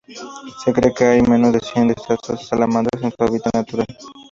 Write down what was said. Se cree que hay menos de cien de estas salamandras en su hábitat natural.